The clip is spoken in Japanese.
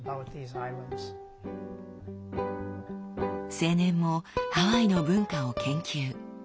青年もハワイの文化を研究。